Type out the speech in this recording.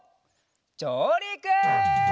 じょうりく！